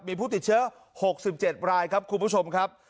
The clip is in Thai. มีผู้ติดเชื้อ๖๗รายครับคุณผู้ชมครับ